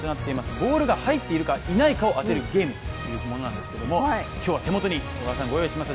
ボールが入っているかいないかを当てるゲームなんですけれども今日は手元にご用意しました。